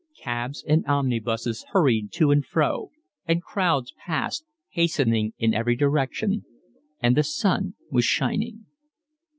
Cabs and omnibuses hurried to and fro, and crowds passed, hastening in every direction, and the sun was shining.